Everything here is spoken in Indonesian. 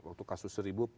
waktu kasus seribu